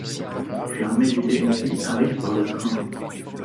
L'armée du Tennessee arrive par le train.